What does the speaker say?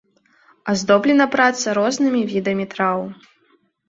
Аздоблена праца рознымі відамі траў.